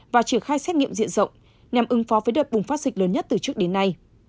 và triển khai xét nghiệm diện rộng nhằm ứng phó với đợt bùng phát dịch lớn nhất từ trước đến nay